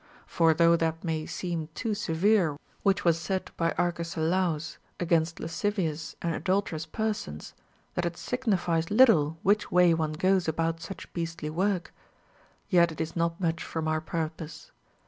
For though that may seem too severe which was said by Arcesilaus against lascivious and adulterous persons, that it signifies little which way one goes about such beastly Avork ;* yet it is not much from our purpose.